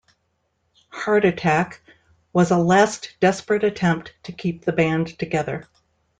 "Heart Attack" was a last desperate attempt to keep the band together.